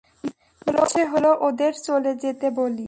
ইচ্ছে হল ওদের চলে যেতে বলি।